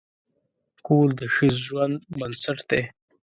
کور د ښه ژوند بنسټ دی.